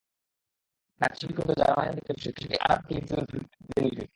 Nazi অধিকৃত জার্মানির মাটিতে বসে কিশোরী আনা ফ্রাঙ্ক লিখেছিলেন তাঁর বিশ্বখ্যাত দিনলিপি।